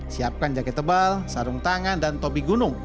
siapkan jaket tebal sarung tangan dan topi gunung